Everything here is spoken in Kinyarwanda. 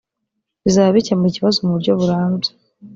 bizaba bikemuye ikibazo mu buryo burambye